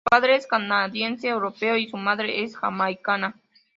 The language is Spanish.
Su padre es canadiense europeo y su madre es jamaicana.